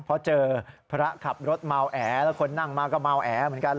เพราะเจอพระขับรถเมาแอแล้วคนนั่งมาก็เมาแอเหมือนกัน